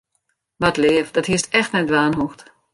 Wat leaf, dat hiest echt net dwaan hoegd.